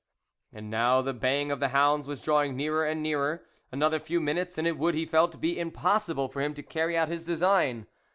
And now the baying of the hounds was drawing nearer and nearer ; another few minutes, and it would, he felt, be im possible for him to carry out his design.